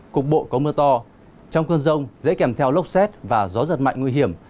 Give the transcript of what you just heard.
cục bộ có mưa to trong cơn rông dễ kèm theo lốc xét và gió giật mạnh nguy hiểm